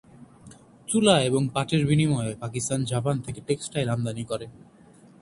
তুলা এবং পাটের বিনিময়ে, পাকিস্তান জাপান থেকে টেক্সটাইল আমদানি করে।